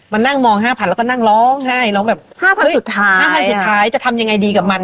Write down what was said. นั่งมองห้าพันแล้วก็นั่งร้องไห้ร้องแบบ๕๐๐สุดท้าย๕๐๐สุดท้ายจะทำยังไงดีกับมัน